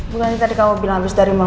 bulan ini tadi kamu bilang harus dari rumah